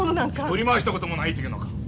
振り回した事もないと言うのか。